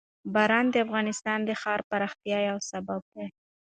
باران د افغانستان د ښاري پراختیا یو سبب دی.